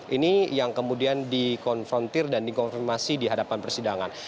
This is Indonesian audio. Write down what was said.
ini yang kemudian dikonfrontir dan dikonfirmasi di hadapan persidangan